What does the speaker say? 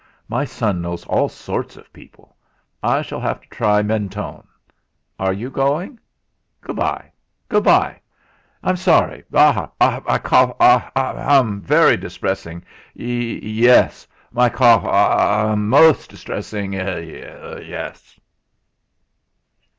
My son knows all sorts of people. I shall have to try Mentone. Are you going? Good bye! Good bye! I'm sorry; ah! ha! My cough ah! ha h'h'.! Very distressing. Ye hes! My cough ah! ha h'h'.! Most distressing. Ye hes!"